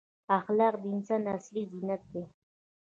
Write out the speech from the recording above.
اخلاق د انسان اصلي زینت دی.